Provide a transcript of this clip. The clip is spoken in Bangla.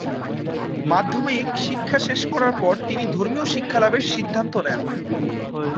মাধ্যমিক শিক্ষা শেষ করার পর তিনি ধর্মীয় শিক্ষালাভের সিদ্ধান্ত নেন।